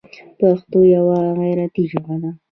پښتو یوه غیرتي ژبه ده.